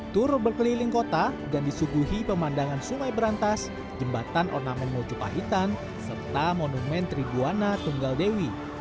tur berkeliling kota dan disuguhi pemandangan sungai berantas jembatan ornamen mojopahitan serta monumen tribuana tunggal dewi